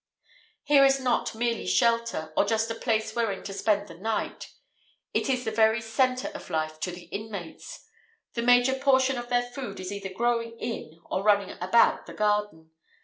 Here is not merely shelter, or just a place wherein to spend the night; it is the very centre of life to the inmates; the major portion of their food is either growing in, or running about, the garden.